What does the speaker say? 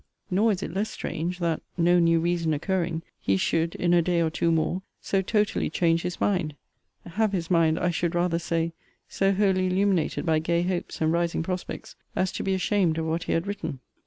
Nor is it less strange, that (no new reason occurring) he should, in a day or two more, so totally change his mind; have his mind, I should rather say, so wholly illuminated by gay hopes and rising prospects, as to be ashamed of what he had written.